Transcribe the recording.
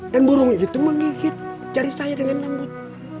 dan burung itu menggigit jari saya dengan lembut